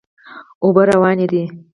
اوبه روانې دي.